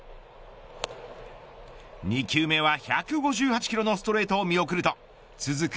２球目は１５８キロのストレートを見送ると続く